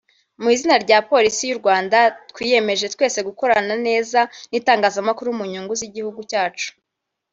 mu izina rya Polisi y’u Rwanda twiyemeje twese gukorana neza n’itangazamakuru mu nyungu z’igihugu cyacu